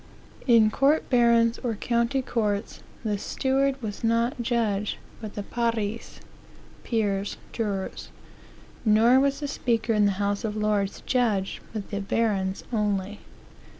"In court barons or county courts the steward was not judge, but the pares (peers, jurors); nor was the speaker in the House of Lords judge, but the barons only."